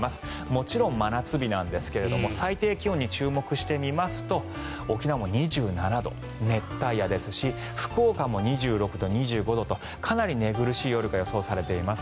もちろん真夏日なんですが最低気温に注目してみますと沖縄は２７度熱帯夜ですし福岡も２６度、２５度とかなり寝苦しい夜が予想されています。